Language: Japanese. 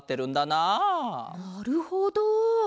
なるほど。